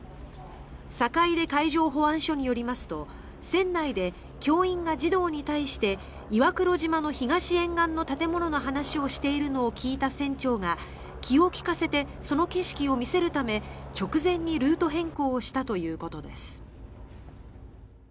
坂出海上保安署によりますと船内で教員が児童に対して岩黒島の東沿岸の建物の話をしているのを聞いた船長が気を利かせてその景色を見せるため直前にルート変更をしたということです。